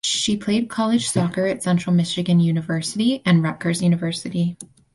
She played college soccer at Central Michigan University and Rutgers University.